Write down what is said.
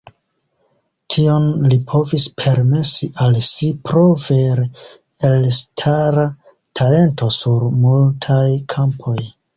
Tion li povis permesi al si pro vere elstara talento sur multaj kampoj.